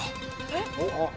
えっ。